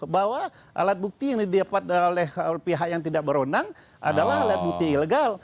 bahwa alat bukti yang didapat oleh pihak yang tidak berwenang adalah alat bukti ilegal